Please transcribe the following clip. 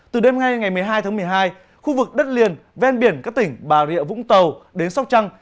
từ đêm nay ngày một mươi hai tháng một mươi hai khu vực đất liền ven biển các tỉnh bà rịa vũng tàu đến sóc trăng